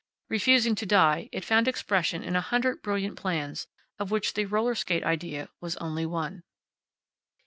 Refusing to die, it found expression in a hundred brilliant plans, of which the roller skate idea was only one.